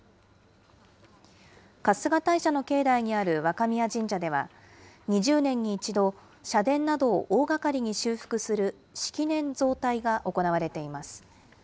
春日大社の境内にある若宮神社では、２０年に１度、社殿などを大がかりに修復する式年造替が行われています。